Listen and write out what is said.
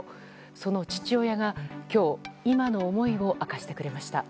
その父親が今日、今の思いを明かしてくれました。